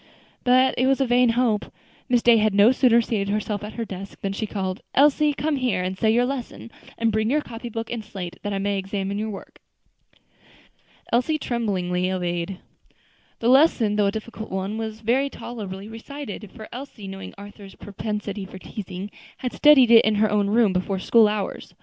But it was a vain hope. Miss Day had no sooner seated herself at her desk, than she called, "Elsie, come here and say that lesson; and bring your copybook and slate, that I may examine your work." Elsie tremblingly obeyed. The lesson, though a difficult one, was very tolerably recited; for Elsie, knowing Arthur's propensity for teasing, had studied it in her own room before school hours.